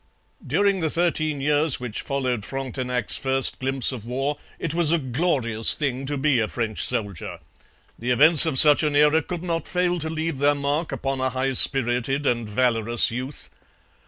During the thirteen years which followed Frontenac's first glimpse of war it was a glorious thing to be a French soldier. The events of such an era could not fail to leave their mark upon a high spirited and valorous youth.